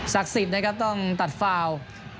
ศักดิ์ศิษย์นะครับต้องตัดฟาล์ล